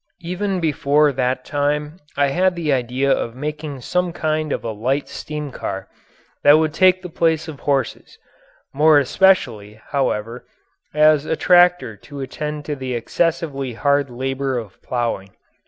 Even before that time I had the idea of making some kind of a light steam car that would take the place of horses more especially, however, as a tractor to attend to the excessively hard labour of ploughing.